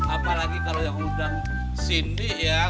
apalagi kalau yang undang sindi ya kan